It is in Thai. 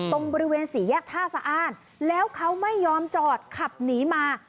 ตรงบริเวณสี่แยกท่าสะอ้านแล้วเขาไม่ยอมจอดขับหนีมา